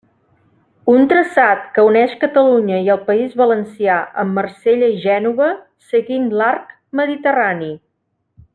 Un traçat que uneix Catalunya i el País Valencià amb Marsella i Gènova seguint l'arc Mediterrani.